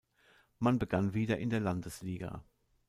Man begann wieder in der Landesliga.